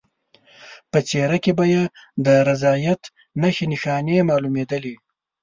په څېره کې به یې د رضایت نښې نښانې معلومېدلې.